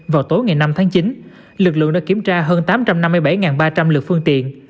vào tối ngày năm tháng chín lực lượng đã kiểm tra hơn tám trăm năm mươi bảy ba trăm linh lượt phương tiện